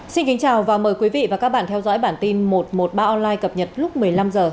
xin kính chào và mời quý vị và các bạn theo dõi bản tin một trăm một mươi ba online cập nhật lúc một mươi năm h